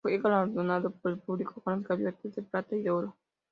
Fue galardonado por el público con las Gaviotas de Plata y de Oro.